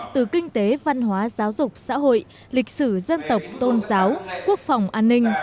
từ kinh tế văn hóa giáo dục xã hội lịch sử dân tộc tôn giáo quốc phòng an ninh